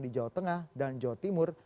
di jawa tengah dan jawa timur